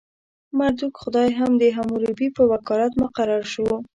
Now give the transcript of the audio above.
مردوک خدای هم د حموربي په وکالت مقرر شو.